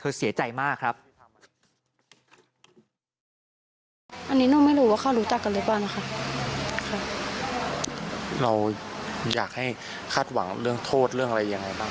เราอยากให้คาดหวังเรื่องโทษเรื่องอะไรยังไงบ้าง